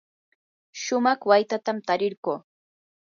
shumaq waytatam tarirquu.